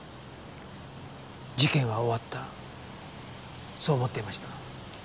事件は終わったそう思っていました。